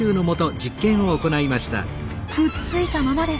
くっついたままです。